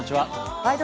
「ワイド！